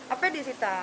apa di sita